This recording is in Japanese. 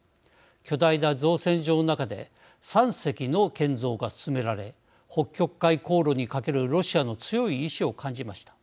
巨大な造船所の中で３隻の建造が進められ北極海航路にかけるロシアの強い意思を感じました。